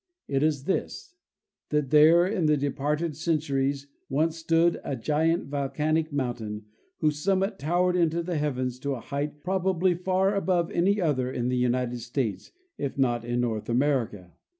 It is this: that there, in the departed centuries, once stood a giant voleanic moun tain whose summit towered into the heavens to a height probably far above any other in the United States, if not in North Amer 274 John H. Mitchell— Oregon ica.